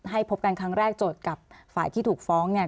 ให้พบกันครั้งแรกโจทย์กับฝ่ายที่ถูกฟ้องเนี่ย